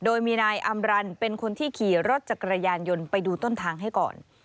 โดยมีนายอำรันเป็นคนที่ขี่รถจักรยานยนต์ไปดูต้นทางให้ก่อน